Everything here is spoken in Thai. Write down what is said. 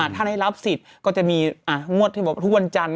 ถ้าได้รับสิทธิ์ก็จะมีงวดที่บอกทุกวันจันทร์